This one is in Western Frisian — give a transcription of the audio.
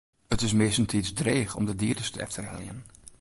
It is meastentiids dreech om de dieders te efterheljen.